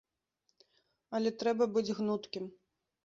Але трэба быць гнуткім.